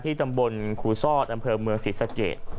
ที่ตำบลครูซอสดำเภอเมืองศรีสเกต